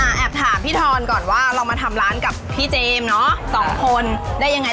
แอบถามพี่ทอนก่อนว่าเรามาทำร้านกับพี่เจมส์เนอะสองคนได้ยังไง